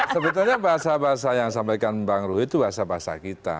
sebetulnya bahasa bahasa yang sampaikan bang ruh itu bahasa bahasa kita